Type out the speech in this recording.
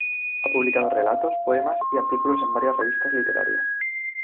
Ha publicado relatos, poemas y artículos en varias revistas literarias.